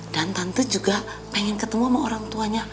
dan tante juga pengen ketemu sama orang tuanya